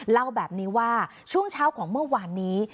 เล่าแบบนี้ว่าช่วงเช้าของเมื่อวานนี้